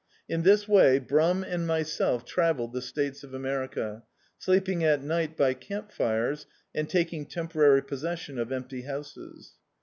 In this way Brum and myself travelled the States of America, sleeping at ni^t by camp fires, and taking temporary possession of empty houses.